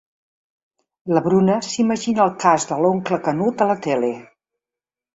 La Bruna s'imagina el cas de l'oncle Canut a la tele.